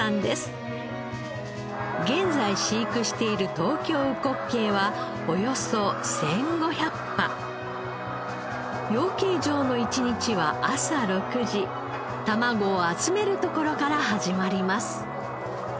現在飼育している東京うこっけいは養鶏場の一日は朝６時卵を集めるところから始まります。